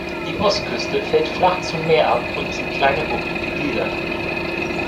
Die Ostküste fällt flach zum Meer ab und ist in kleine Buchten gegliedert.